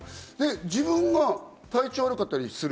自分が体調悪かったりする。